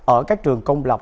ở các trường công lập